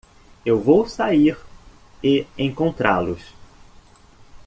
Eu vou sair e encontrá-los!